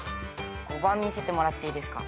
５番見せてもらっていいですか。